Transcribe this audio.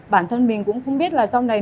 bản thân mình cũng không biết là sau này